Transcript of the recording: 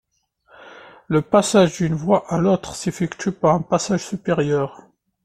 Le passage d'une voie à l'autre s'effectue par un passage supérieur.